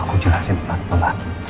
aku jelasin pelan pelan